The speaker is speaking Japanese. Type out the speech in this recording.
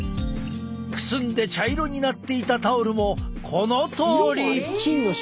くすんで茶色になっていたタオルもこのとおり！